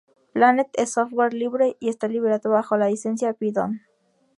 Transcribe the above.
Planet es software libre y está liberado bajo la licencia Python.